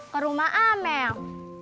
ke rumah amel